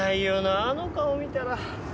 あの顔見たら。